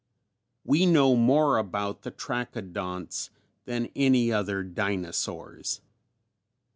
We know more about the Trachodonts than any other dinosaurs.